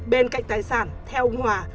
bên cạnh tài sản theo ngoà